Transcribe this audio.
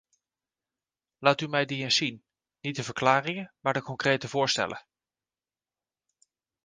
Laat u mij die eens zien; niet de verklaringen, maar de concrete voorstellen.